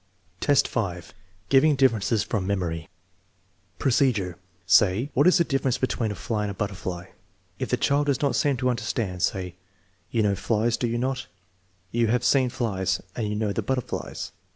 VII, 5, Giving differences from memory Procedure. Say: " What is the difference between a fly and a butterfly ?" If the child does not seem to understand, say: "You know flies, do you not? You have seen flies? And you know the butterflies!